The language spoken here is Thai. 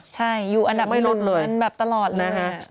ใช่อยู่อันดับเป็นแบบตลอดเลยค่ะ